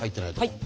はい。